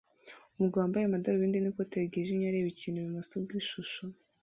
Umugabo wambaye amadarubindi n'ikote ryijimye areba ikintu ibumoso bw'ishusho